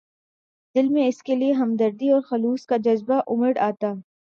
دل میں اس کے لیے ہمدردی اور خلوص کا جذبہ اُمڈ آتا